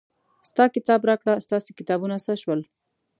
ستا کتاب راکړه ستاسې کتابونه څه شول.